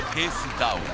ダウン